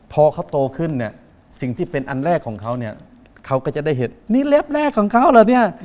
พอเขาโตขึ้นเนี่ยสิ่งที่เป็นอันแรกของเขาเนี่ยเขาก็จะได้เห็นนี่เล็บแรกของเขาเหรอเนี่ย